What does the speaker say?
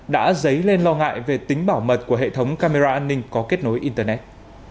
đã dấy lên lo ngại về tính bảo mật của hệ thống camera an ninh có kết nối internet